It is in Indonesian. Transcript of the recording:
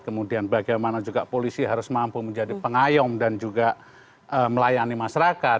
kemudian bagaimana juga polisi harus mampu menjadi pengayom dan juga melayani masyarakat